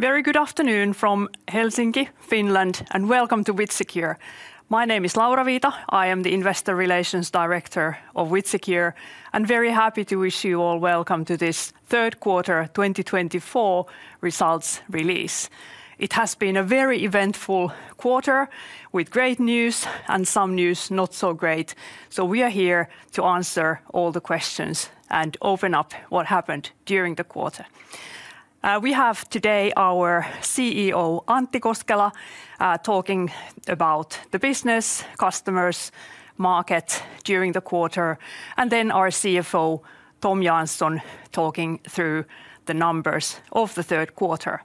Very good afternoon from Helsinki, Finland, and welcome to WithSecure. My name is Laura Viita. I am the Investor Relations Director of WithSecure, and very happy to wish you all welcome to this third quarter 2024 results release. It has been a very eventful quarter with great news and some news not so great, so we are here to answer all the questions and open up what happened during the quarter. We have today our CEO, Antti Koskela, talking about the business, customers, market during the quarter, and then our CFO, Tom Jansson, talking through the numbers of the third quarter.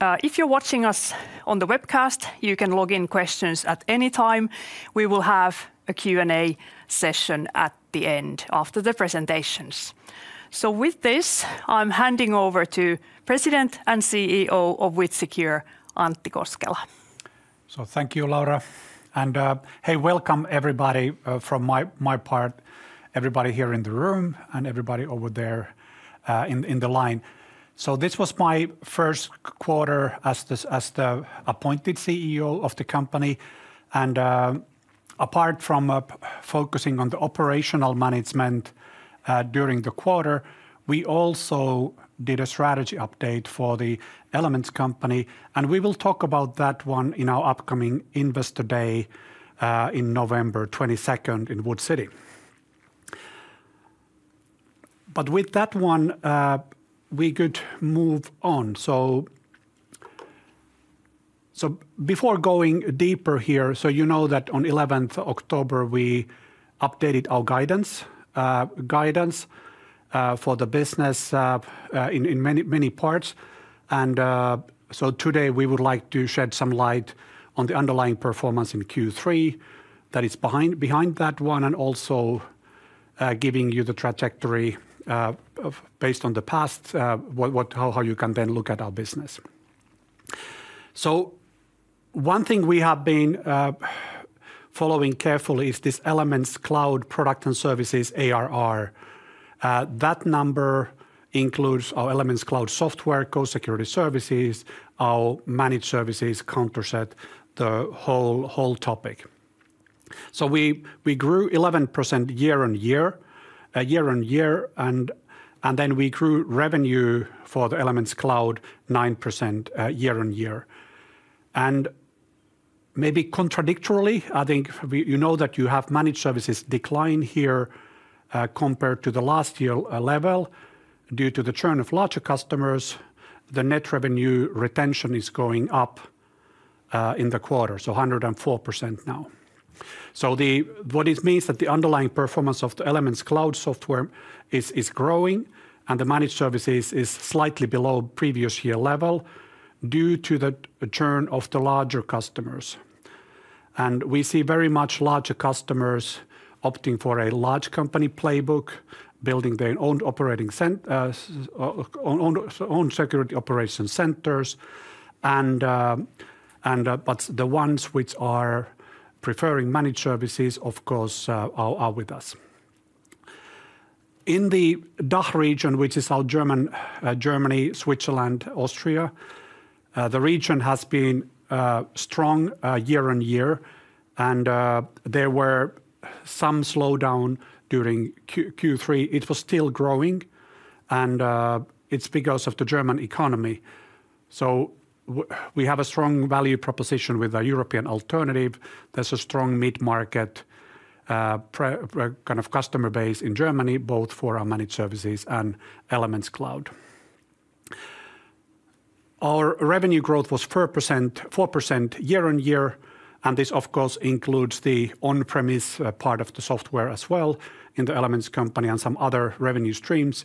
If you're watching us on the webcast, you can log in questions at any time. We will have a Q&A session at the end, after the presentations. So with this, I'm handing over to President and CEO of WithSecure, Antti Koskela. So thank you, Laura, and hey, welcome everybody from my part, everybody here in the room and everybody over there in the line. So this was my first quarter as the appointed CEO of the company, and apart from focusing on the operational management during the quarter, we also did a strategy update for the Elements company, and we will talk about that one in our upcoming investor day in November 22nd, in Wood City. But with that one, we could move on. So before going deeper here, so you know that on 11th October, we updated our guidance for the business in many parts. And so today we would like to shed some light on the underlying performance in Q3 that is behind that one, and also giving you the trajectory of, based on the past, what, how you can then look at our business. So one thing we have been following carefully is this Elements Cloud product and services ARR. That number includes our Elements Cloud software, Co-security services, our managed services, Countercept, the whole topic. So we grew 11% year on year, and then we grew revenue for the Elements Cloud 9% year on year. And maybe contradictorily, I think, you know, that you have managed services decline here, compared to the last year level. Due to the churn of larger customers, the net revenue retention is going up in the quarter, so 104% now. So what it means that the underlying performance of the Elements Cloud software is growing, and the managed services is slightly below previous year level due to the churn of the larger customers. And we see very much larger customers opting for a large company playbook, building their own security operation centers, and but the ones which are preferring managed services, of course, are with us. In the DACH region, which is Germany, Switzerland, Austria, the region has been strong year on year, and there were some slowdown during Q3. It was still growing, and it's because of the German economy. So we have a strong value proposition with a European alternative. There's a strong mid-market, kind of, customer base in Germany, both for our Managed Services and Elements Cloud. Our revenue growth was 4%, 4% year on year, and this, of course, includes the on-premise part of the software as well in the Elements Company and some other revenue streams.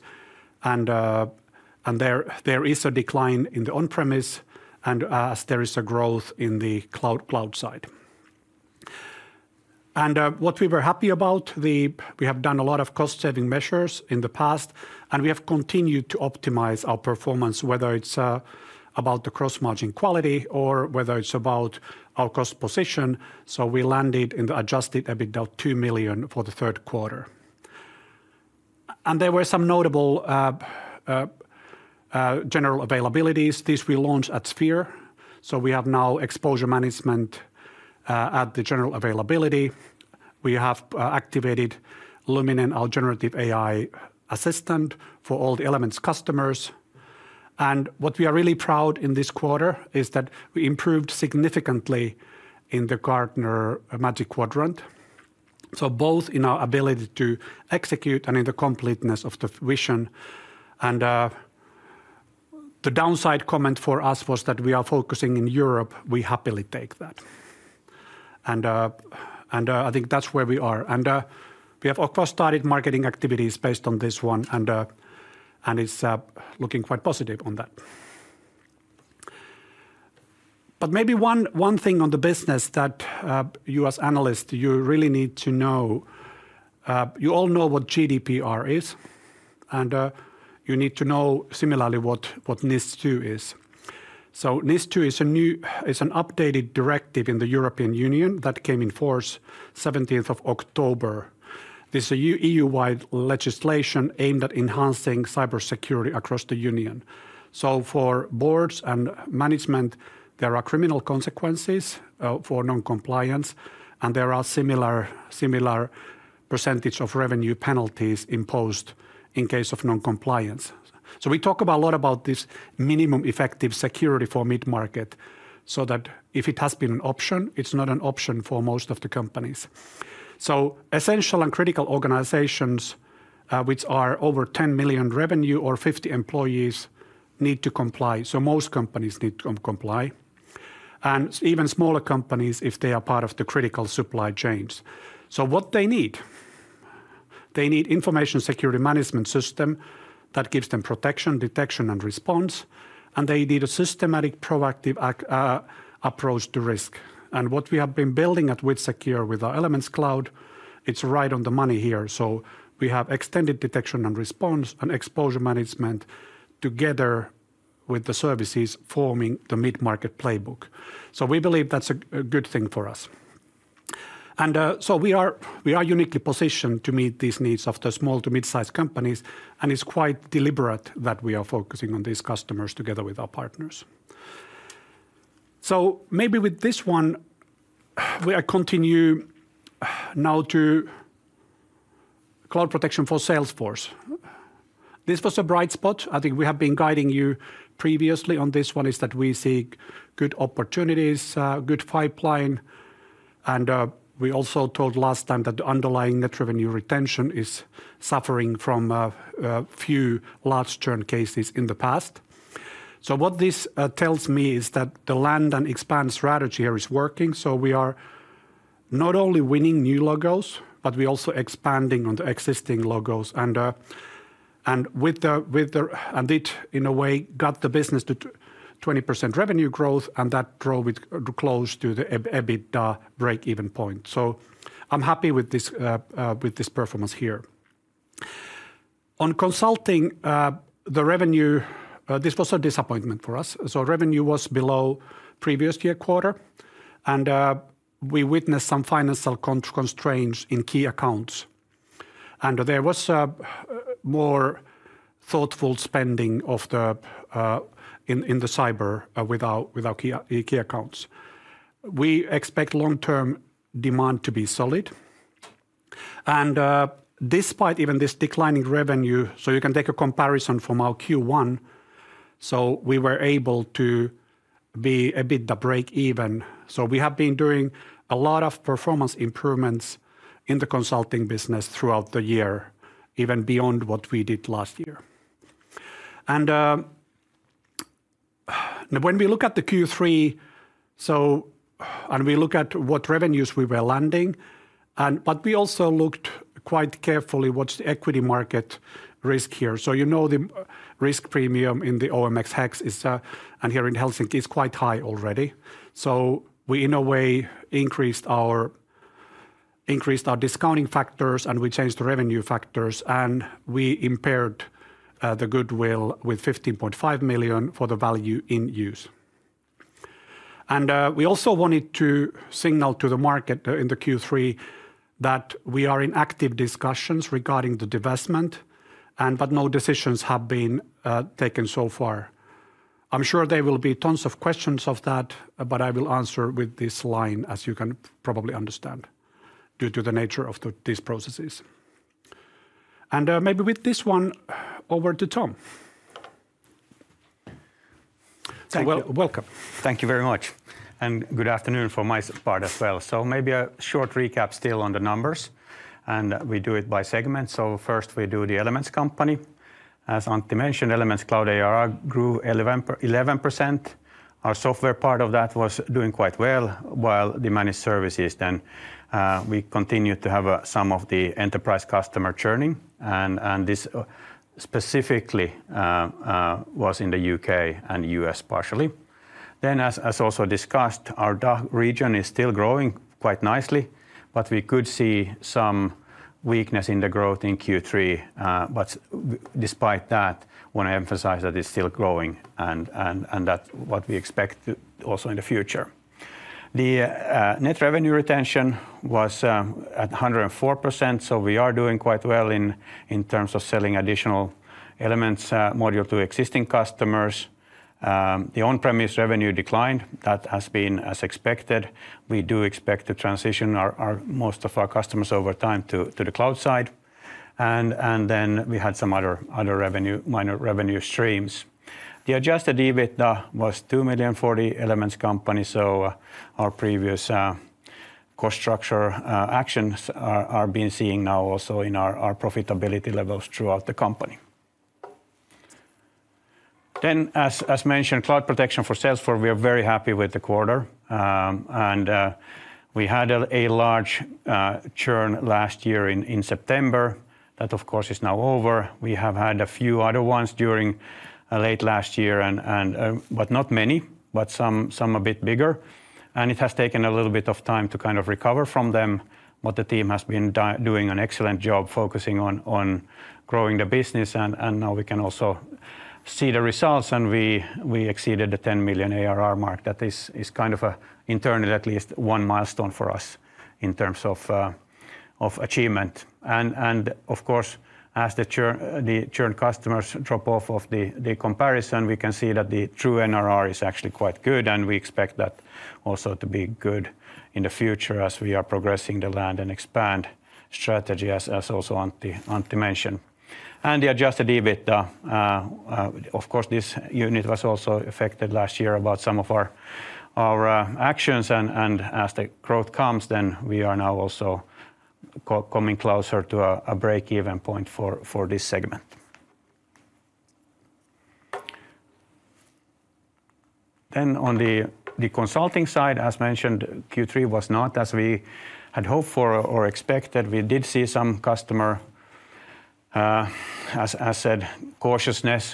And there is a decline in the on-premise, and there is a growth in the cloud side. And what we were happy about. We have done a lot of cost-saving measures in the past, and we have continued to optimize our performance, whether it's about the gross margin quality or whether it's about our cost position, so we landed in the adjusted EBITDA 2 million for the third quarter. And there were some notable general availabilities. This we launched at SPHERE, so we have now exposure management at the general availability. We have activated Luminen, our generative AI assistant, for all the Elements customers. What we are really proud of in this quarter is that we improved significantly in the Gartner Magic Quadrant, so both in our ability to execute and in the completeness of the vision. The downside comment for us was that we are focusing in Europe. We happily take that. I think that's where we are. We have of course started marketing activities based on this one, and it's looking quite positive on that. But maybe one thing on the business that you as analysts really need to know. You all know what GDPR is, and you need to know similarly what NIS2 is. So NIS2 is a new, is an updated directive in the European Union that came in force seventeenth of October. This is EU-wide legislation aimed at enhancing cybersecurity across the union. So for boards and management, there are criminal consequences for non-compliance, and there are similar percentage of revenue penalties imposed in case of non-compliance. So we talk a lot about this minimum effective security for mid-market, so that if it has been an option, it's not an option for most of the companies. So essential and critical organizations, which are over 10 million revenue or 50 employees, need to comply, so most companies need to comply, and even smaller companies if they are part of the critical supply chains. So what they need? They need information security management system that gives them protection, detection, and response, and they need a systematic, proactive approach to risk. What we have been building at WithSecure, with our Elements Cloud, it's right on the money here. We have extended detection and response and exposure management, together with the services forming the mid-market playbook. We believe that's a good thing for us. We are uniquely positioned to meet these needs of the small to mid-sized companies, and it's quite deliberate that we are focusing on these customers together with our partners. Maybe with this one, we are continuing now to Cloud Protection for Salesforce. This was a bright spot. I think we have been guiding you previously on this one, is that we see good opportunities, good pipeline, and we also told last time that the underlying net revenue retention is suffering from a few large churn cases in the past. So what this tells me is that the land and expand strategy here is working, so we are not only winning new logos, but we're also expanding on the existing logos. And it, in a way, got the business to 20% revenue growth, and that drove it close to the EBITDA break-even point. So I'm happy with this performance here. On consulting, the revenue, this was a disappointment for us. Revenue was below previous year quarter, and we witnessed some financial constraints in key accounts. There was a more thoughtful spending in the cyber with our key accounts. We expect long-term demand to be solid. Despite even this declining revenue, you can take a comparison from our Q1, so we were able to be at the break-even. We have been doing a lot of performance improvements in the consulting business throughout the year, even beyond what we did last year. When we look at the Q3, we look at what revenues we were landing, but we also looked quite carefully at what's the equity market risk here. You know, the risk premium in the OMX Helsinki and here in Helsinki is quite high already. So we, in a way, increased our discounting factors, and we changed the revenue factors, and we impaired the goodwill with 15.5 million for the value in use. And we also wanted to signal to the market in the Q3 that we are in active discussions regarding the divestment, and but no decisions have been taken so far. I'm sure there will be tons of questions of that, but I will answer with this line, as you can probably understand, due to the nature of these processes. And maybe with this one, over to Tom. Thank you. Welcome. Thank you very much, and good afternoon from my side as well. So maybe a short recap still on the numbers, and we do it by segment, so first, we do the Elements Company. As Antti mentioned, Elements Cloud ARR grew 11%. Our software part of that was doing quite well, while the managed services, then, we continued to have some of the enterprise customer churning, and this specifically was in the U.K. and U.S., partially. Then, as also discussed, our DACH region is still growing quite nicely, but we could see some weakness in the growth in Q3. But despite that, want to emphasize that it's still growing and that what we expect also in the future. The net revenue retention was at 104%, so we are doing quite well in terms of selling additional Elements module to existing customers. The on-premise revenue declined. That has been as expected. We do expect to transition our most of our customers over time to the cloud side. Then we had some other revenue, minor revenue streams. The adjusted EBITDA was 2.04 million Elements Company, so our previous cost structure actions are being seen now also in our profitability levels throughout the company. Then, as mentioned, Cloud Protection for Salesforce, we are very happy with the quarter. And we had a large churn last year in September. That, of course, is now over. We have had a few other ones during late last year and but not many, but some a bit bigger, and it has taken a little bit of time to kind of recover from them. The team has been doing an excellent job focusing on growing the business, and now we can also see the results, and we exceeded the 10 million ARR mark. That is kind of a milestone for us internally at least in terms of achievement. Of course, as the churn customers drop off of the comparison, we can see that the true NRR is actually quite good, and we expect that also to be good in the future as we are progressing the land and expand strategy, as also Antti mentioned. The adjusted EBIT, of course, this unit was also affected last year about some of our actions, and as the growth comes, then we are now also coming closer to a break-even point for this segment, then on the consulting side, as mentioned, Q3 was not as we had hoped for or expected. We did see some customer cautiousness, as I said,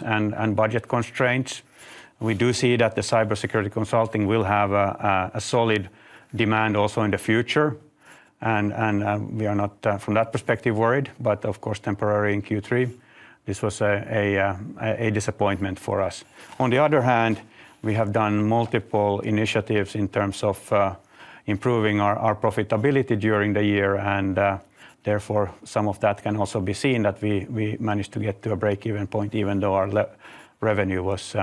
and budget constraints. We do see that the cybersecurity consulting will have a solid demand also in the future, and we are not, from that perspective, worried, but of course temporary in Q3. This was a disappointment for us. On the other hand, we have done multiple initiatives in terms of improving our profitability during the year, and therefore, some of that can also be seen that we managed to get to a break-even point, even though our revenue was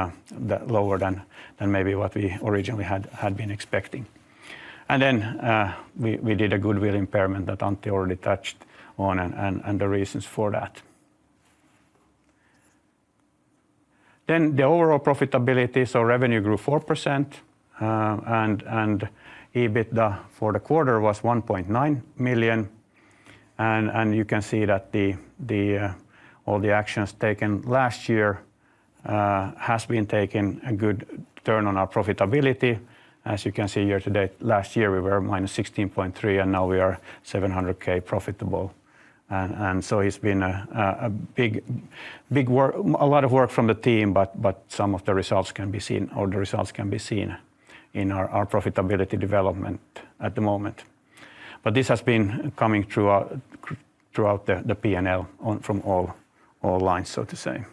lower than maybe what we originally had been expecting. We did a goodwill impairment that Antti already touched on, and the reasons for that. The overall profitability, so revenue grew 4%, and EBITDA for the quarter was 1.9 million, and you can see that all the actions taken last year has been taking a good turn on our profitability. As you can see here today, last year we were minus 16.3 million, and now we are 700,000 profitable. And so it's been a big, a lot of work from the team, but some of the results can be seen, or the results can be seen in our profitability development at the moment. But this has been coming throughout the P&L, from all lines, so to say.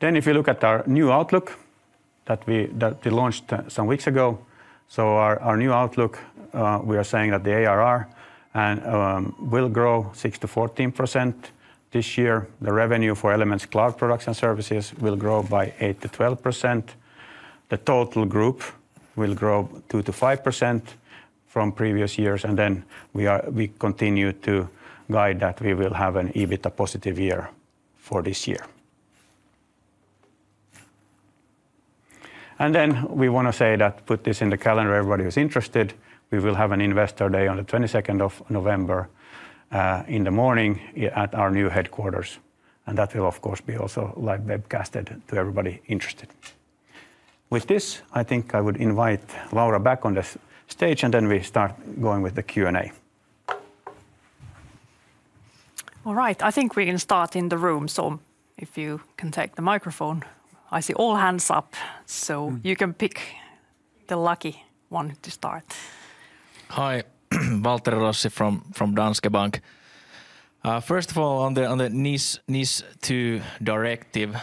Then if you look at our new outlook that we launched some weeks ago, so our new outlook, we are saying that the ARR will grow 6-14% this year. The revenue for Elements Cloud products and services will grow by 8-12%. The total group will grow 2-5% from previous years, and then we continue to guide that we will have an EBITDA-positive year for this year. And then we wanna say that, put this in the calendar, everybody who's interested, we will have an Investor Day on the twenty-second of November, in the morning, at our new headquarters, and that will, of course, be also live webcasted to everybody interested. With this, I think I would invite Laura back on the stage, and then we start going with the Q&A. All right. I think we can start in the room, so if you can take the microphone. I see all hands up, so- Mm... you can pick the lucky one to start. Hi, Valtteri Rossi from Danske Bank. First of all, on the NIS2 directive,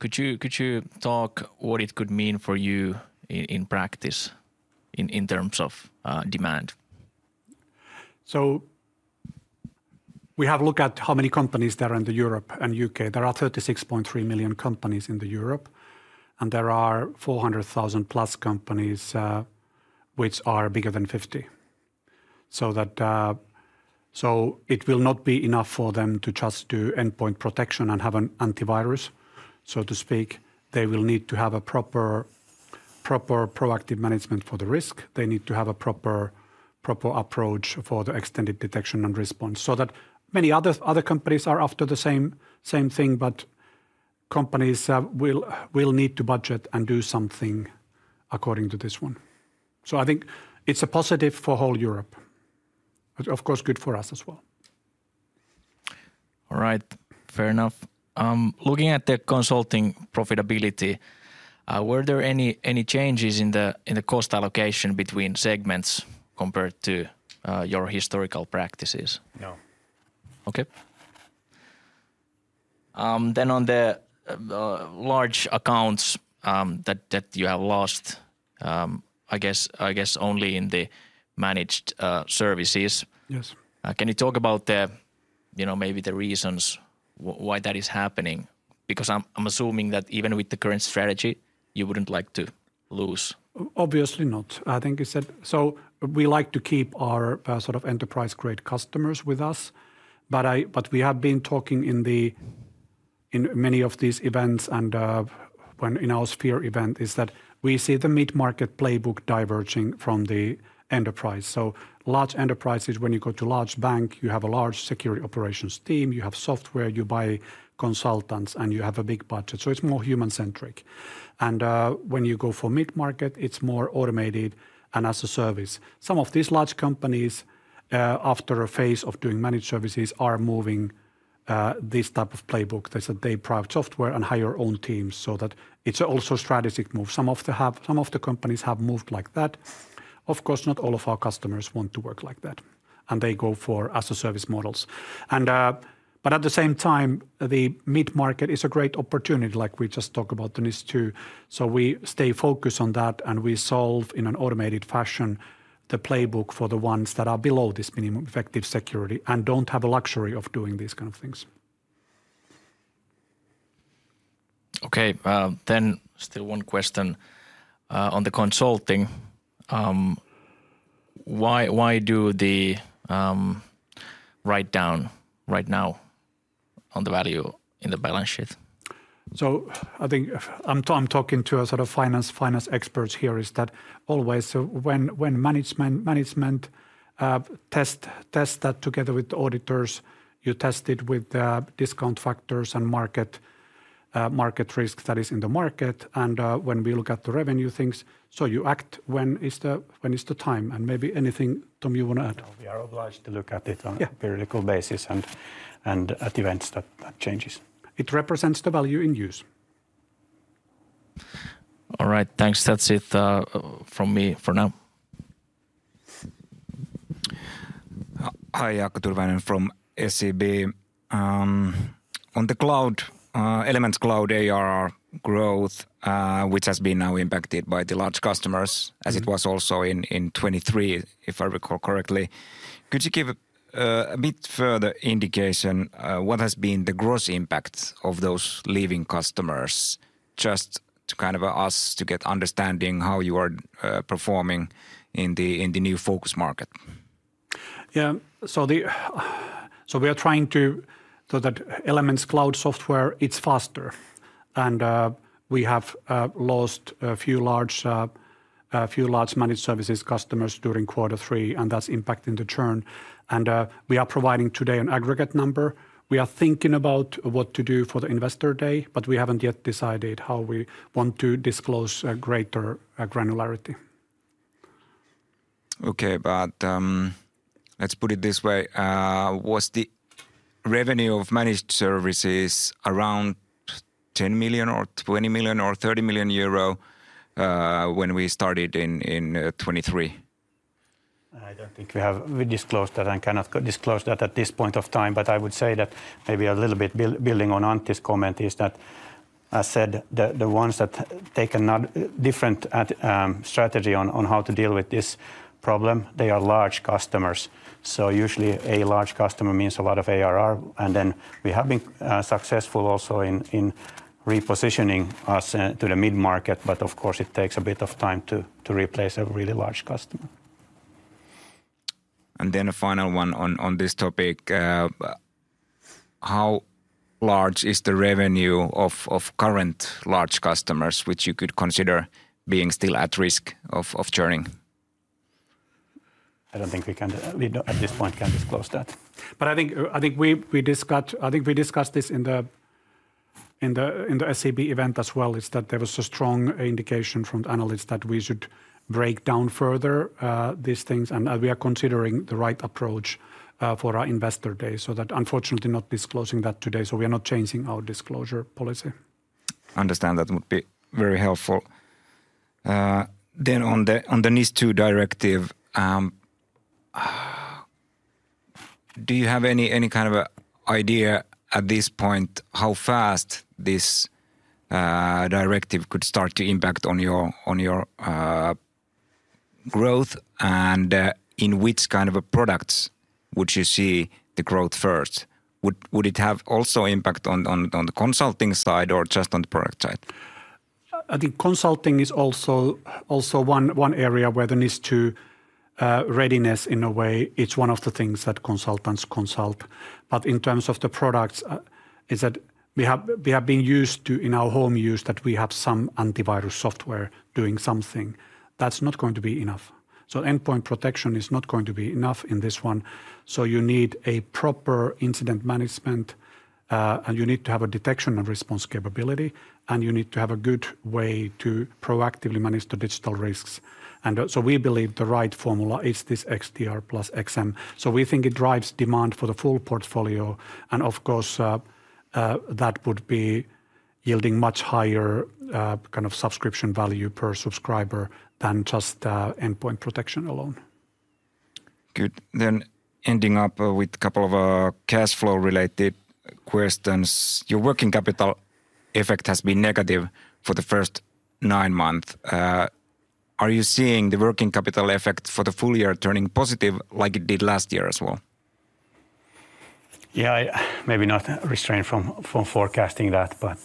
could you talk what it could mean for you in practice, in terms of demand? So we have looked at how many companies there are in Europe and the U.K. There are thirty-six point three million companies in Europe, and there are four hundred thousand-plus companies which are bigger than fifty. So it will not be enough for them to just do endpoint protection and have an antivirus, so to speak. They will need to have a proper proactive management for the risk. They need to have a proper approach for the extended detection and response. So that many other companies are after the same thing, but companies will need to budget and do something according to this one. So I think it's a positive for whole Europe, but of course, good for us as well. All right. Fair enough. Looking at the consulting profitability, were there any changes in the cost allocation between segments compared to your historical practices? No. Okay. Then on the large accounts that you have lost, I guess only in the managed services- Yes... can you talk about the, you know, maybe the reasons why that is happening? Because I'm assuming that even with the current strategy, you wouldn't like to lose. Obviously not. I think you said... So we like to keep our, sort of enterprise-grade customers with us, but but we have been talking in the, in many of these events, and, when in our Sphere event, is that we see the mid-market playbook diverging from the enterprise. So large enterprises, when you go to large bank, you have a large security operations team, you have software, you buy consultants, and you have a big budget, so it's more human-centric. And, when you go for mid-market, it's more automated and as a service. Some of these large companies, after a phase of doing managed services, are moving, this type of playbook. They said they provide software and hire our own teams, so that it's also a strategic move. Some of the companies have moved like that. Of course, not all of our customers want to work like that.... and they go for as-a-service models. And, but at the same time, the mid-market is a great opportunity, like we just talked about, the NIS2. So we stay focused on that, and we solve in an automated fashion the playbook for the ones that are below this minimum effective security and don't have the luxury of doing these kind of things. Okay, then still one question on the consulting. Why do they write down right now on the value in the balance sheet? So I think I'm talking to a sort of finance experts here. Is that always so? When management test that together with auditors, you test it with discount factors and market risk that is in the market, and when we look at the revenue things. So you ask when is the time, and maybe anything, Tom, you want to add? We are obliged to look at it- Yeah... on a periodical basis, and at events that changes. It represents the value in use. All right. Thanks. That's it, from me for now. Hi, Jaakko Tyrväinen from SEB. On the cloud, Elements Cloud ARR growth, which has been now impacted by the large customers- Mm... as it was also in 23, if I recall correctly. Could you give a bit further indication what has been the gross impact of those leaving customers? Just to kind of us to get understanding how you are performing in the new focus market. Yeah. So that Elements Cloud software, it's faster, and we have lost a few large Managed Services customers during quarter three, and that's impacting the churn. We are providing today an aggregate number. We are thinking about what to do for the Investor Day, but we haven't yet decided how we want to disclose a greater granularity. Okay, but, let's put it this way, was the revenue of managed services around 10 million, or 20 million, or 30 million euro, when we started in 2023? I don't think we have. We disclosed that. I cannot go disclose that at this point of time. But I would say that maybe a little bit building on Antti's comment is that I said the ones that take another different strategy on how to deal with this problem, they are large customers. So usually, a large customer means a lot of ARR, and then we have been successful also in repositioning us to the mid-market. But of course, it takes a bit of time to replace a really large customer. A final one on this topic, how large is the revenue of current large customers, which you could consider being still at risk of churning? I don't think we can, at this point, can disclose that. But I think we discussed this in the SEB event as well, is that there was a strong indication from the analysts that we should break down further, these things, and we are considering the right approach for our Investor Day. So, unfortunately, not disclosing that today, so we are not changing our disclosure policy. Understand. That would be very helpful. Then on the NIS2 Directive, do you have any kind of a idea at this point how fast this directive could start to impact on your growth? And, in which kind of a products would you see the growth first? Would it have also impact on the consulting side or just on the product side? I think consulting is also one area where the NIS2 readiness, in a way, it's one of the things that consultants consult. But in terms of the products, is that we have been used to, in our home use, that we have some antivirus software doing something. That's not going to be enough. So endpoint protection is not going to be enough in this one. So you need a proper incident management, and you need to have a detection and response capability, and you need to have a good way to proactively manage the digital risks. And, so we believe the right formula is this XDR plus XM. So we think it drives demand for the full portfolio, and of course, that would be yielding much higher kind of subscription value per subscriber than just endpoint protection alone. Good. Then ending up with a couple of cash flow-related questions. Your working capital effect has been negative for the first nine months. Are you seeing the working capital effect for the full year turning positive like it did last year as well? Yeah, maybe not restrained from forecasting that, but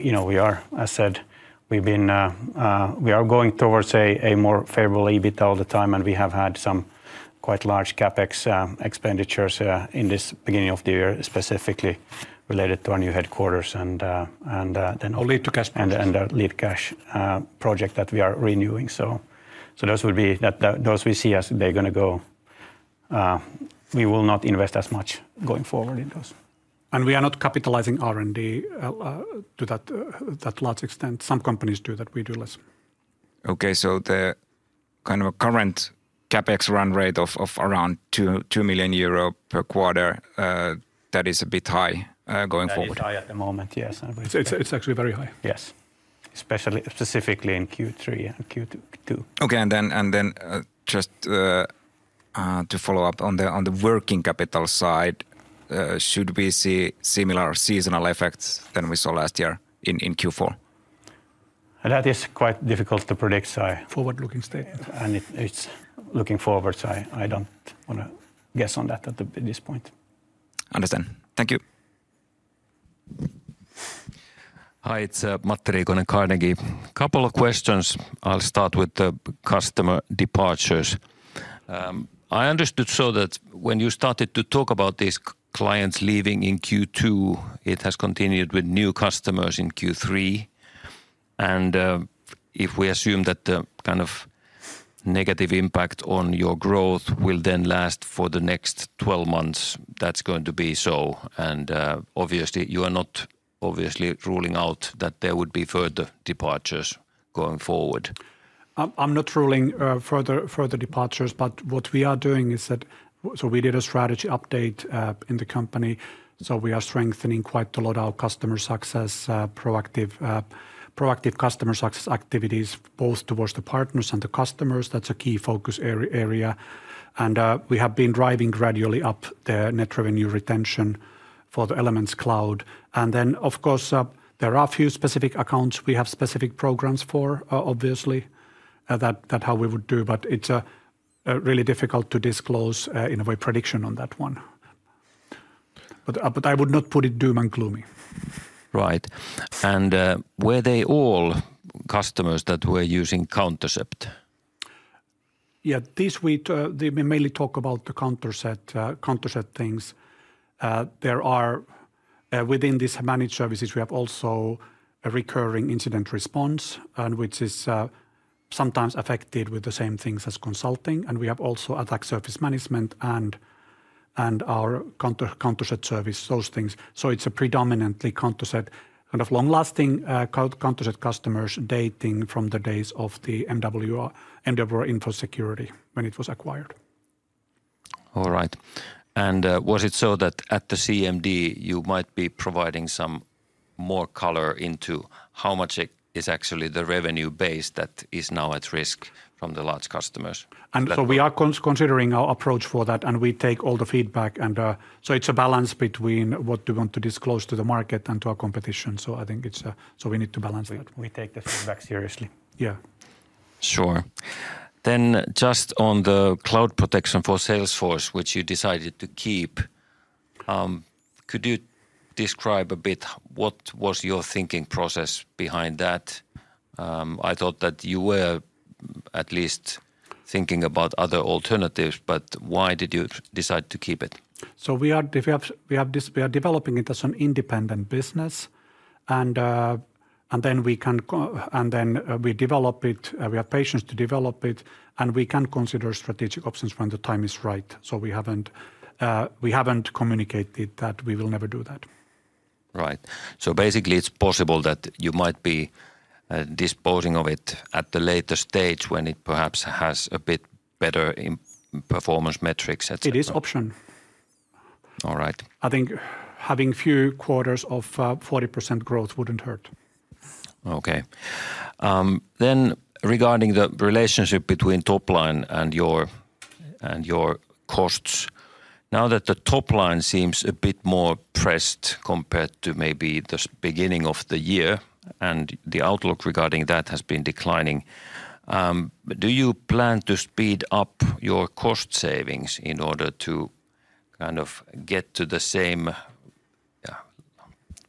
you know, we are. I said, we've been, we are going towards a more favorable EBITDA all the time, and we have had some quite large CapEx expenditures in the beginning of the year, specifically related to our new headquarters, and then- Our lead-to-cash position.... and the lead-to-cash project that we are renewing. So those would be. Those we see as they're gonna go. We will not invest as much going forward in those. And we are not capitalizing R&D to that large extent. Some companies do that. We do less. Okay, so the kind of a current CapEx run rate of around 2 million euro per quarter, that is a bit high, going forward? That is high at the moment, yes, I believe. It's actually very high. Yes, especially, specifically in Q3 and Q2. Okay, and then, just to follow up on the working capital side, should we see similar seasonal effects than we saw last year in Q4? That is quite difficult to predict, so I- Forward-looking statement. And it's looking forward, so I don't wanna guess on that at this point. Understood. Thank you. Hi, it's Matti Riikonen at Carnegie. Couple of questions. I'll start with the customer departures. I understood so that when you started to talk about these clients leaving in Q2, it has continued with new customers in Q3, and if we assume that the kind of negative impact on your growth will then last for the next 12 months, that's going to be so, and obviously, you are not obviously ruling out that there would be further departures going forward. I'm not ruling further departures, but what we are doing is that. So we did a strategy update in the company, so we are strengthening quite a lot our customer success proactive customer success activities, both towards the partners and the customers. That's a key focus area. And we have been driving gradually up the net revenue retention for the Elements Cloud. And then, of course, there are a few specific accounts we have specific programs for, obviously, that how we would do, but it's really difficult to disclose in a way prediction on that one. But I would not put it doom and gloomy. Right, and were they all customers that were using Countercept? Yeah, this week, they mainly talk about the Countercept things. There are, within these managed services, we have also a recurring incident response, and which is sometimes affected with the same things as consulting, and we have also attack surface management and our Countercept service, those things. So it's a predominantly Countercept, kind of, long-lasting Countercept customers dating from the days of the MWR InfoSecurity, when it was acquired. All right. And was it so that at the CMD, you might be providing some more color into how much it is actually the revenue base that is now at risk from the large customers? And so we are considering our approach for that, and we take all the feedback, and so it's a balance between what we want to disclose to the market and to our competition. So I think it's a... so we need to balance it. We take the feedback seriously. Yeah. Sure. Then just on the Cloud Protection for Salesforce, which you decided to keep, could you describe a bit what was your thinking process behind that? I thought that you were at least thinking about other alternatives, but why did you decide to keep it? We are developing it as an independent business, and then we develop it. We have patience to develop it, and we can consider strategic options when the time is right. We haven't communicated that we will never do that. Right, so basically, it's possible that you might be disposing of it at the later stage when it perhaps has a bit better performance metrics, et cetera? It is option. All right. I think having few quarters of 40% growth wouldn't hurt. Okay, then regarding the relationship between top line and your costs, now that the top line seems a bit more pressed compared to maybe the beginning of the year, and the outlook regarding that has been declining, do you plan to speed up your cost savings in order to kind of get to the same, yeah,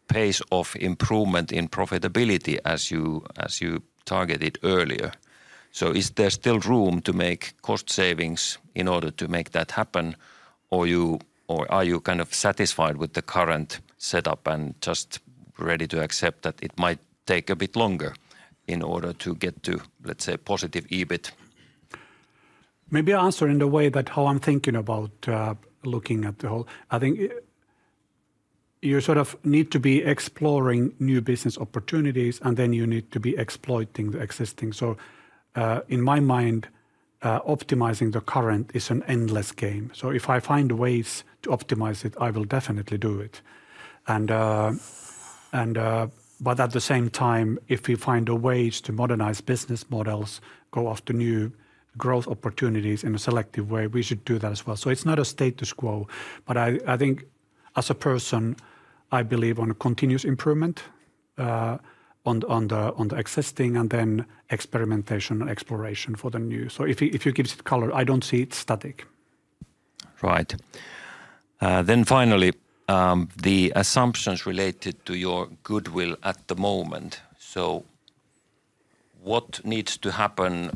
pace of improvement in profitability as you targeted earlier? So, is there still room to make cost savings in order to make that happen, or are you kind of satisfied with the current setup and just ready to accept that it might take a bit longer in order to get to, let's say, positive EBIT? Maybe I answer in the way that how I'm thinking about, looking at the whole. I think you sort of need to be exploring new business opportunities, and then you need to be exploiting the existing. So, in my mind, optimizing the current is an endless game. So if I find ways to optimize it, I will definitely do it. And, but at the same time, if we find the ways to modernize business models, go after new growth opportunities in a selective way, we should do that as well. So it's not a status quo, but I think as a person, I believe on continuous improvement, on the existing, and then experimentation and exploration for the new. So if you give it color, I don't see it static. Right. Then finally, the assumptions related to your goodwill at the moment. So what needs to happen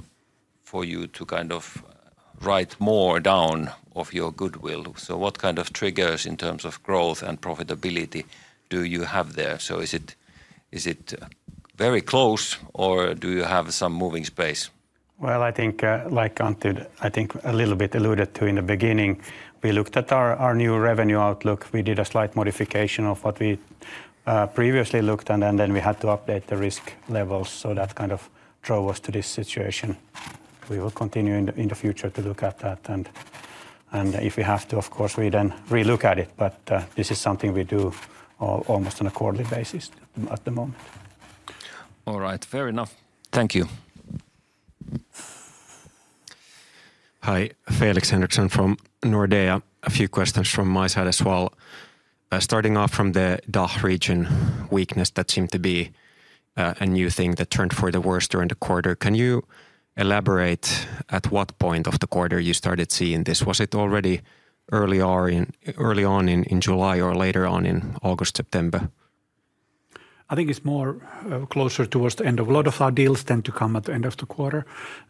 for you to kind of write more down of your goodwill? So what kind of triggers in terms of growth and profitability do you have there? So is it, is it very close, or do you have some moving space? I think, like Antti did, I think a little bit alluded to in the beginning, we looked at our new revenue outlook. We did a slight modification of what we previously looked, and then we had to update the risk levels, so that kind of drove us to this situation. We will continue in the future to look at that, and if we have to, of course, we then re-look at it, but this is something we do almost on a quarterly basis at the moment. All right. Fair enough. Thank you. Hi, Felix Henriksson from Nordea. A few questions from my side as well. Starting off from the DACH region weakness, that seemed to be a new thing that turned for the worse during the quarter. Can you elaborate at what point of the quarter you started seeing this? Was it already early on in July or later on in August, September? I think it's more closer towards the end. A lot of our deals tend to come at the end of the quarter,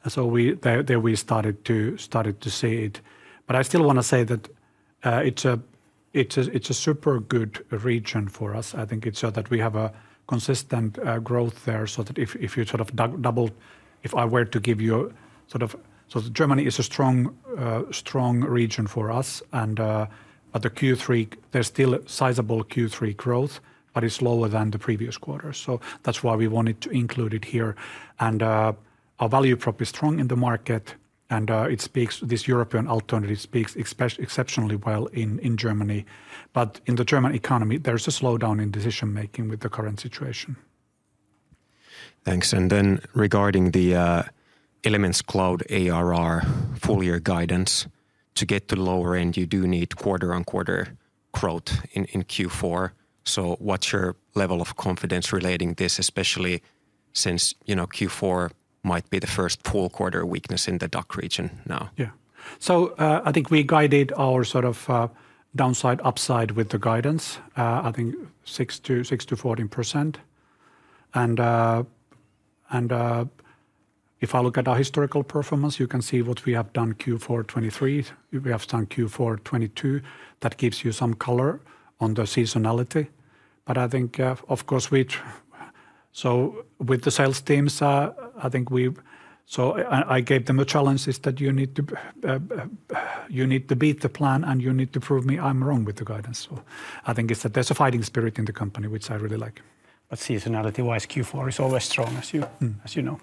so there we started to see it. But I still wanna say that it's a super good region for us. I think that we have a consistent growth there, so that if you sort of... If I were to give you a sort of... So Germany is a strong region for us, and but the Q3, there's still a sizable Q3 growth, but it's lower than the previous quarter. So that's why we wanted to include it here. And our value prop is strong in the market, and it speaks, this European alternative speaks exceptionally well in Germany. But in the German economy, there's a slowdown in decision-making with the current situation. Thanks. And then regarding the Elements Cloud ARR full-year guidance, to get the lower end, you do need quarter-on-quarter growth in Q4. So what's your level of confidence relating this, especially since, you know, Q4 might be the first full quarter weakness in the DACH region now? Yeah. So, I think we guided our sort of downside, upside with the guidance. I think 6%-14%. And, if I look at our historical performance, you can see what we have done Q4 2023. We have done Q4 2022. That gives you some color on the seasonality. But I think, of course, we... So with the sales teams, I think we've. So and I gave them a challenge, is that you need to beat the plan, and you need to prove me I'm wrong with the guidance. So I think it's that there's a fighting spirit in the company, which I really like. But seasonality-wise, Q4 is always strong, as you- Mm... as you know.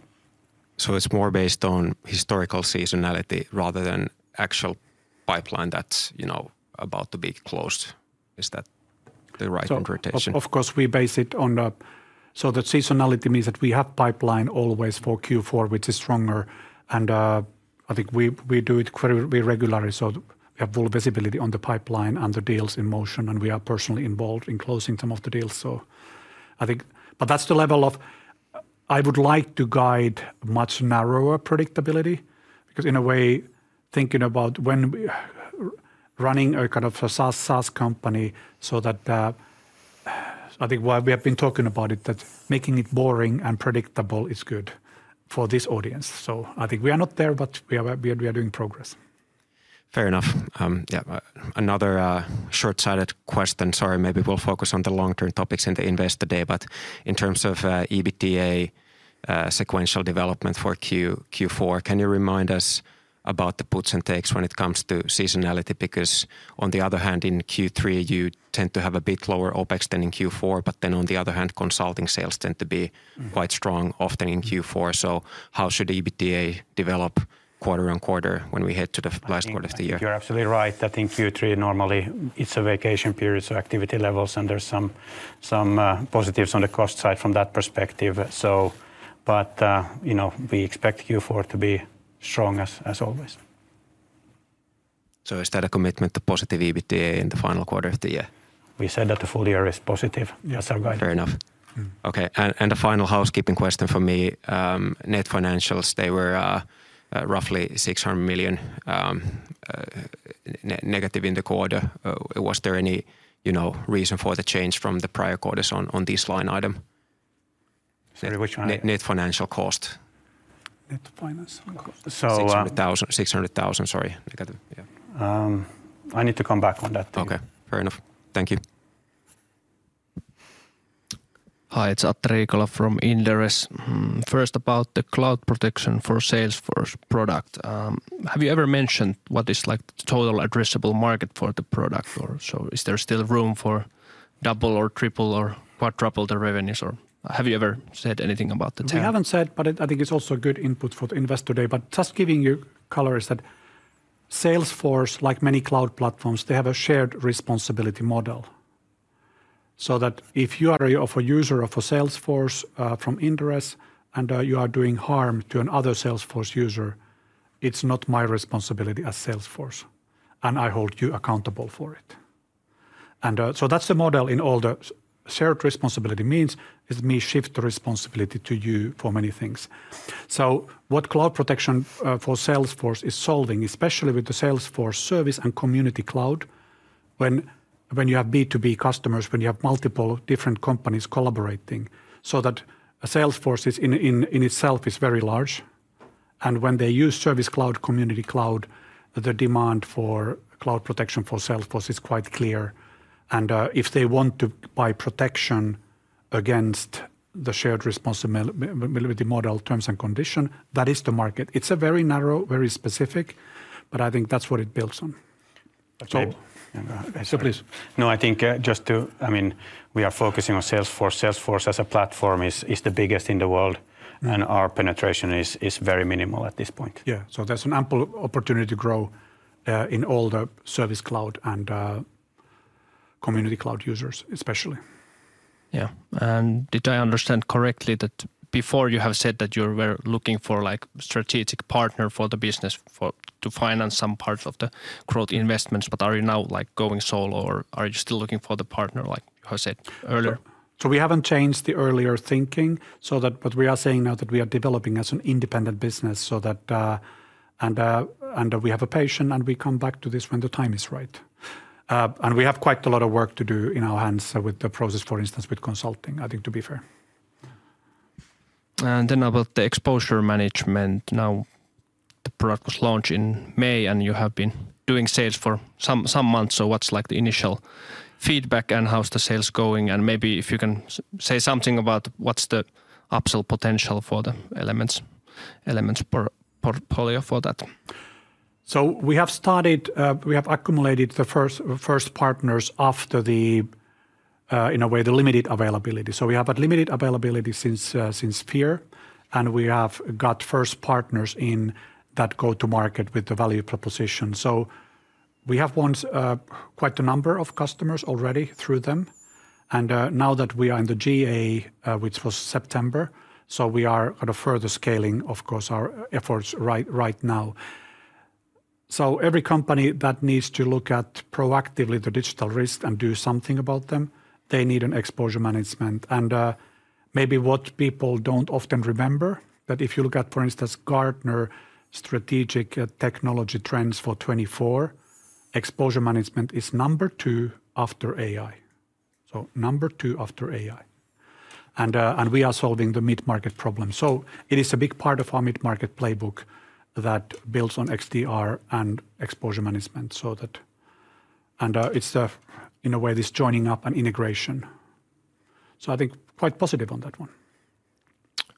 So it's more based on historical seasonality rather than actual pipeline that's, you know, about to be closed. Is that the right interpretation? So of course, we base it on the... So the seasonality means that we have pipeline always for Q4, which is stronger, and I think we do it quite regularly, so we have full visibility on the pipeline and the deals in motion, and we are personally involved in closing some of the deals. So I think... But that's the level of... I would like to guide much narrower predictability, because in a way, thinking about when we are running a kind of a SaaS company, so that I think why we have been talking about it, that making it boring and predictable is good for this audience. So I think we are not there, but we are doing progress. Fair enough. Yeah, another short-sighted question. Sorry, maybe we'll focus on the long-term topics in the Investor Day, but in terms of EBITDA, sequential development for Q4, can you remind us about the puts and takes when it comes to seasonality? Because on the other hand, in Q3, you tend to have a bit lower OpEx than in Q4, but then on the other hand, consulting sales tend to be- Mm... quite strong, often in Q4. So how should EBITDA develop quarter on quarter when we head to the last quarter of the year? I think you're absolutely right. I think Q3, normally, it's a vacation period, so activity levels, and there's some positives on the cost side from that perspective. So but, you know, we expect Q4 to be strong as always. So is that a commitment to positive EBITDA in the final quarter of the year? We said that the full year is positive as our guide. Fair enough. Mm. Okay, and a final housekeeping question for me: net financials, they were roughly 600 million net negative in the quarter. Was there any, you know, reason for the change from the prior quarters on this line item? Sorry, which one? Net, net financial cost. Net financial cost. So, EUR 600,000. 600,000, sorry. I got it. Yeah. I need to come back on that. Okay, fair enough. Thank you. Hi, it's Atte Riikola from Inderes. First, about the Cloud Protection for Salesforce product, have you ever mentioned what is, like, the total addressable market for the product? Or so is there still room for double or triple or quadruple the revenues, or have you ever said anything about that? We haven't said, but it, I think it's also a good input for the Investor Day. But just giving you color is that Salesforce, like many cloud platforms, they have a shared responsibility model, so that if you are a user of a Salesforce from Inderes, and you are doing harm to another Salesforce user, it's not my responsibility as Salesforce, and I hold you accountable for it. And so that's the model in all the shared responsibility means is me shift the responsibility to you for many things. What Cloud Protection for Salesforce is solving, especially with the Salesforce Service Cloud and Community Cloud, when you have B2B customers, when you have multiple different companies collaborating, so that Salesforce in itself is very large, and when they use Service Cloud, Community Cloud, the demand for Cloud Protection for Salesforce is quite clear. And if they want to buy protection against the shared responsibility model, terms, and condition, that is the market. It's a very narrow, very specific, but I think that's what it builds on. I think, just to, I mean, we are focusing on Salesforce. Salesforce as a platform is the biggest in the world- Mm. and our penetration is very minimal at this point. Yeah, so there's an ample opportunity to grow in all the Service Cloud and Community Cloud users especially. Yeah, and did I understand correctly that before you have said that you were looking for, like, strategic partner for the business for, to finance some parts of the growth investments, but are you now, like, going solo, or are you still looking for the partner, like I said earlier? So we haven't changed the earlier thinking, so that what we are saying now that we are developing as an independent business, so that and we have patience, and we come back to this when the time is right. And we have quite a lot of work to do in our hands with the process, for instance, with consulting, I think, to be fair. And then about the exposure management. Now, the product was launched in May, and you have been doing sales for some months, so what's, like, the initial feedback, and how's the sales going? And maybe if you can say something about what's the upsell potential for the Elements portfolio for that? We have started. We have accumulated the first partners after, in a way, the limited availability. We have had limited availability since Q3, and we have got first partners in that go-to market with the value proposition. We have won quite a number of customers already through them, and now that we are in the GA, which was September, we are at a further scaling, of course, our efforts right now. Every company that needs to look at proactively the digital risk and do something about them needs an exposure management. Maybe what people do not often remember is that if you look at, for instance, Gartner strategic technology trends for 2024, exposure management is number two after AI. Number two after AI. We are solving the mid-market problem. So it is a big part of our mid-market playbook that builds on XDR and exposure management, so that... And, it's, in a way, this joining up and integration. So I think quite positive on that one.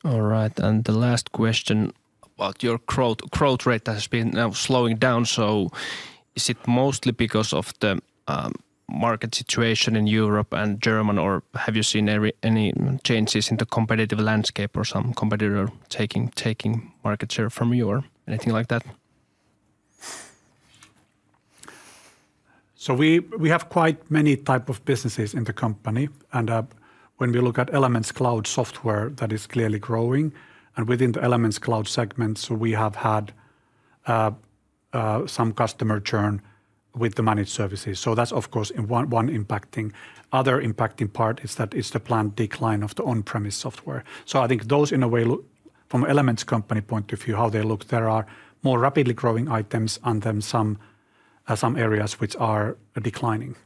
All right, and the last question about your growth. Growth rate has been now slowing down, so is it mostly because of the market situation in Europe and Germany, or have you seen any changes in the competitive landscape or some competitor taking market share from you or anything like that? So we have quite many type of businesses in the company, and when we look at Elements Cloud software, that is clearly growing, and within the Elements Cloud segment, so we have had some customer churn with the managed services. So that's of course one impacting. Other impacting part is that it's the planned decline of the on-premise software. So I think those, in a way, from Elements Company point of view, how they look, there are more rapidly growing items and then some areas which are declining.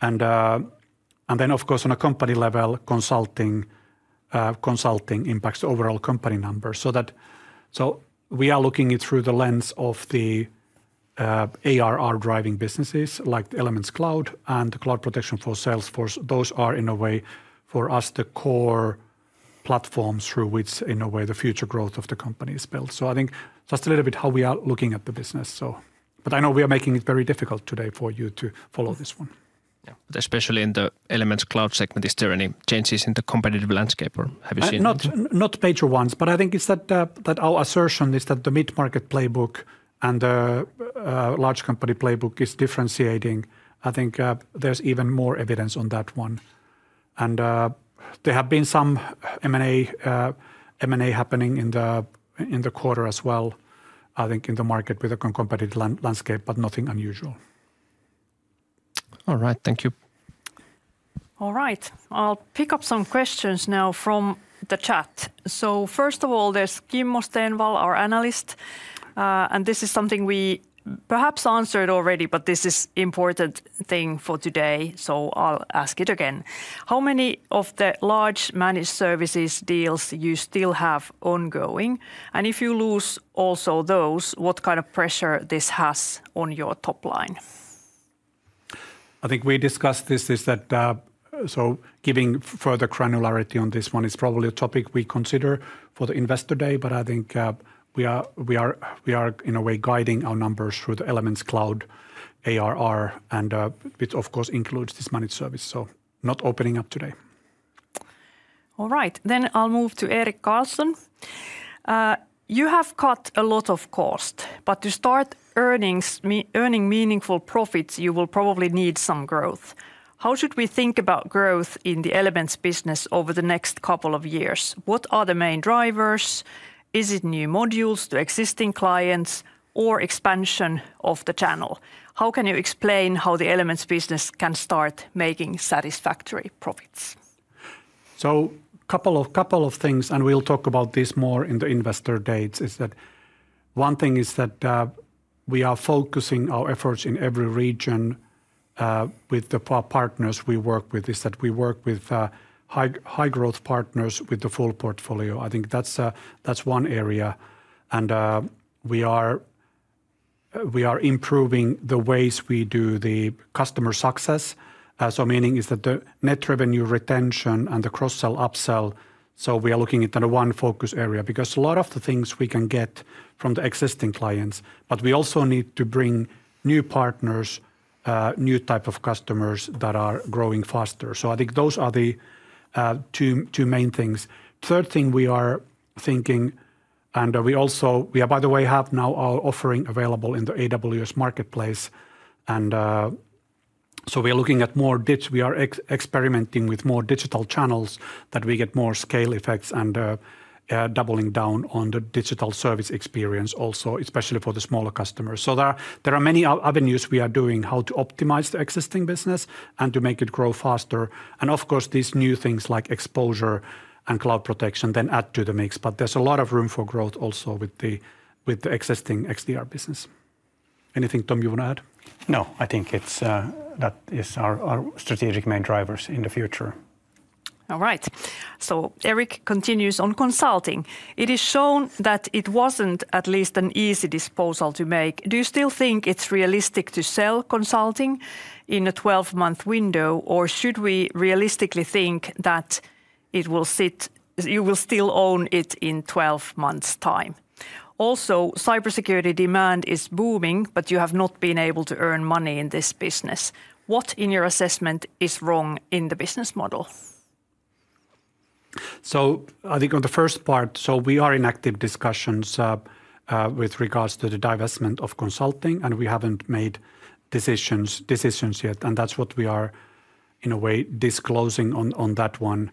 And then, of course, on a company level, consulting impacts overall company numbers. So that we are looking through the lens of the ARR-driving businesses, like the Elements Cloud and the Cloud Protection for Salesforce. Those are, in a way, for us, the core platforms through which, in a way, the future growth of the company is built. So I think just a little bit how we are looking at the business, so... But I know we are making it very difficult today for you to follow this one. Yeah, but especially in the Elements Cloud segment, is there any changes in the competitive landscape, or have you seen it? Not major ones, but I think it's that that our assertion is that the mid-market playbook and large company playbook is differentiating. I think there's even more evidence on that one. And there have been some M&A happening in the quarter as well, I think, in the market with a competitive landscape, but nothing unusual. All right. Thank you. All right. I'll pick up some questions now from the chat. So first of all, there's Kimmo Stenvall, our analyst, and this is something we perhaps answered already, but this is important thing for today, so I'll ask it again. "How many of the large managed services deals you still have ongoing? And if you lose also those, what kind of pressure this has on your top line? I think we discussed this, so giving further granularity on this one is probably a topic we consider for the Investor Day, but I think we are, in a way, guiding our numbers through the Elements Cloud ARR, and which of course includes this managed service, so not opening up today. All right. Then I'll move to Erik Karlsson. "You have cut a lot of cost, but to start earning meaningful profits, you will probably need some growth. How should we think about growth in the Elements business over the next couple of years? What are the main drivers? Is it new modules to existing clients or expansion of the channel? How can you explain how the Elements business can start making satisfactory profits? So a couple of, couple of things, and we'll talk about this more in the Investor Day, is that one thing is that we are focusing our efforts in every region with the partners we work with, is that we work with high, high-growth partners with the full portfolio. I think that's one area. And we are improving the ways we do the customer success, so meaning is that the net revenue retention and the cross-sell, upsell, so we are looking at the one focus area. Because a lot of the things we can get from the existing clients, but we also need to bring new partners, new type of customers that are growing faster. So I think those are the two main things. Third thing we are thinking, and we also, by the way, have now our offering available in the AWS Marketplace, and so we're looking at more, we are experimenting with more digital channels, that we get more scale effects and doubling down on the digital service experience also, especially for the smaller customers. So there are many other avenues we are doing, how to optimize the existing business and to make it grow faster. And of course, these new things like exposure and cloud protection then add to the mix. But there's a lot of room for growth also with the existing XDR business. Anything, Tom, you want to add? No, I think it's. That is our strategic main drivers in the future. All right. So Eric continues, "On consulting, it is shown that it wasn't at least an easy disposal to make. Do you still think it's realistic to sell consulting in a 12-month window, or should we realistically think that it will sit- you will still own it in 12 months' time? Also, cybersecurity demand is booming, but you have not been able to earn money in this business. What, in your assessment, is wrong in the business model? I think on the first part, we are in active discussions with regards to the divestment of consulting, and we haven't made decisions yet, and that's what we are, in a way, disclosing on that one.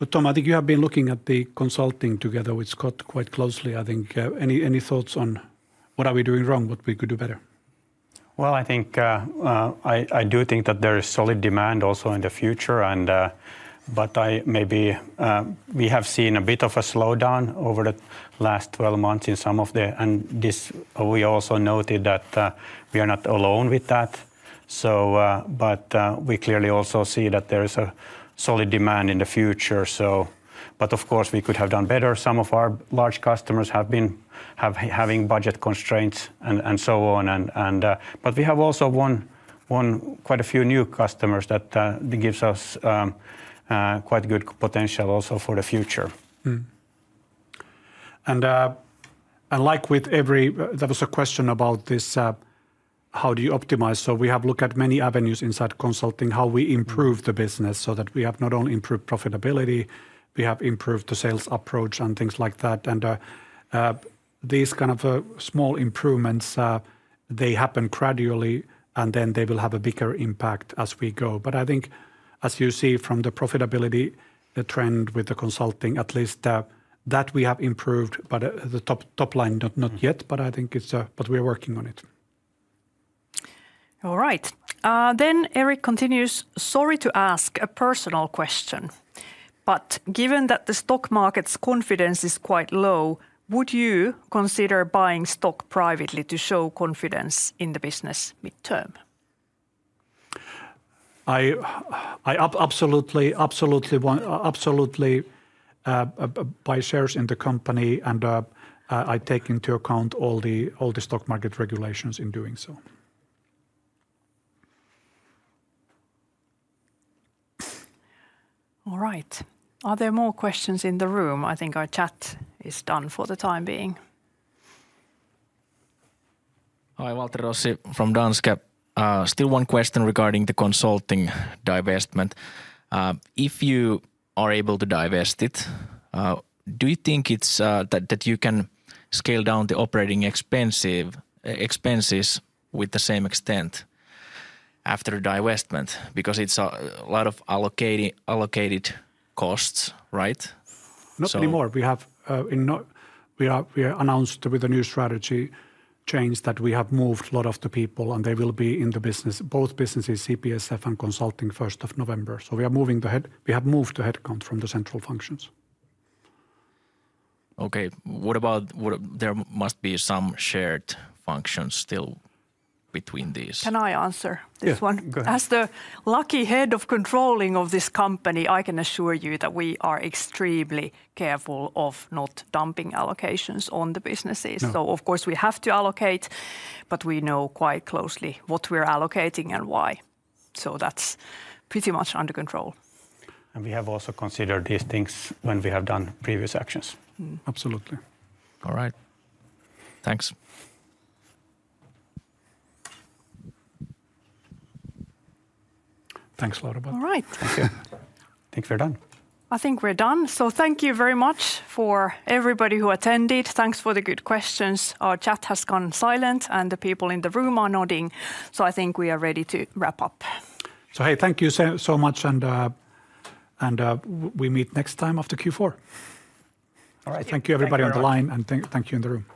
But Tom, I think you have been looking at the consulting together with Scott quite closely, I think. Any thoughts on what are we doing wrong, what we could do better? I do think that there is solid demand also in the future. But maybe we have seen a bit of a slowdown over the last 12 months in some of the.... This we also noted that we are not alone with that, so. But we clearly also see that there is a solid demand in the future, so. But of course, we could have done better. Some of our large customers have been having budget constraints, and so on. But we have also won quite a few new customers that gives us quite good potential also for the future. Mm-hmm. And like, there was a question about this, how do you optimize? So we have looked at many avenues inside consulting, how we improve- Mm... the business so that we have not only improved profitability, we have improved the sales approach and things like that. And these kind of small improvements they happen gradually, and then they will have a bigger impact as we go. But I think, as you see from the profitability, the trend with the consulting, at least that we have improved, but the top line, not yet- Mm... but I think it's, we're working on it. All right. Then Eric continues, "Sorry to ask a personal question, but given that the stock market's confidence is quite low, would you consider buying stock privately to show confidence in the business midterm? I absolutely buy shares in the company, and I take into account all the stock market regulations in doing so. All right. Are there more questions in the room? I think our chat is done for the time being. Hi, Walter Rossi from Danske. Still one question regarding the consulting divestment. If you are able to divest it, do you think it's that you can scale down the operating expenses with the same extent after divestment? Because it's a lot of allocated costs, right? So- Not anymore. We announced with the new strategy change that we have moved a lot of the people, and they will be in the business, both businesses, CPSF and Consulting, 1st of November. So we have moved the headcount from the central functions. Okay, what about... There must be some shared functions still between these? Can I answer this one? Yeah, go ahead. As the lucky head of controlling of this company, I can assure you that we are extremely careful of not dumping allocations on the businesses. Yeah. So of course we have to allocate, but we know quite closely what we're allocating and why. So that's pretty much under control. We have also considered these things when we have done previous actions. Mm-hmm. Absolutely. All right. Thanks. Thanks a lot, everybody. All right. Thank you. I think we're done. I think we're done. So thank you very much for everybody who attended. Thanks for the good questions. Our chat has gone silent, and the people in the room are nodding, so I think we are ready to wrap up. Hey, thank you so, so much, and we meet next time after Q4. All right. Thank you everybody- Thank you... on the line, and thank you in the room.